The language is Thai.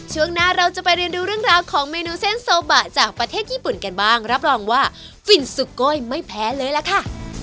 ช่วงหน้าเราจะไปเรียนดูเรื่องราวของเมนูเส้นโซบะจากประเทศญี่ปุ่นกันบ้างรับรองว่าฟินสุโกยไม่แพ้เลยล่ะค่ะ